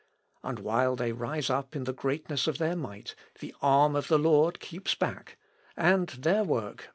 And while they rise up in the greatness of their might, the arm of the Lord keeps back, and their work